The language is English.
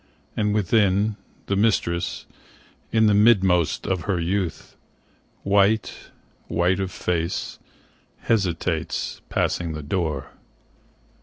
And within, the mistress, in the midmost of her youth, White, white of face, hesitates, passing the door.